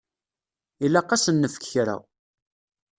Ilaq ad asen-nefk kra.